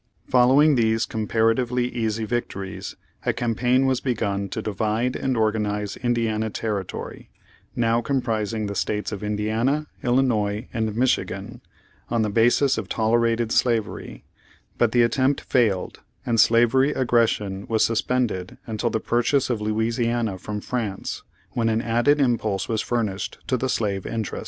Follow ing these comparatively easy victories, a cam paign was begun to divide and organize Indiana territory, now comprising the states of Indiana, Illinois, and Michigan, on the basis of tolerated slavery, but the attempt failed, and slavery aggression was suspended until the purchase of Louisiana from France, when an added impulse was furnished to the slave interest.